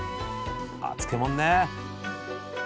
あ漬物ね。